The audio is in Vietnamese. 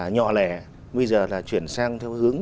nhọ lẻ bây giờ là chuyển sang theo hướng